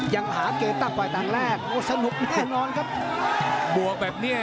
ยังหาเกระจักรใกล้ตางแรกโอ้มดอาบนี้